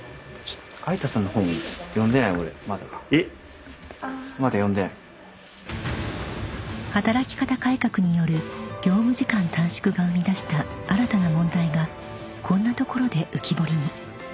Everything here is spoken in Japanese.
えっ⁉［働き方改革による業務時間短縮が生み出した新たな問題がこんなところで浮き彫りに］